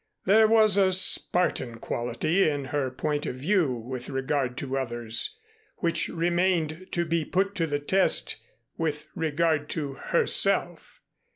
There was a Spartan quality in her point of view with regard to others, which remained to be put to the test with regard to herself.